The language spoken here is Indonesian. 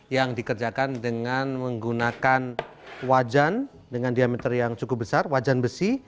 yang dikerjakan dengan menggunakan wajan dengan diameter yang cukup besar wajan besi